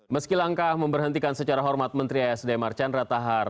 meski langkah memberhentikan secara hormat menteri asd marchandra tahar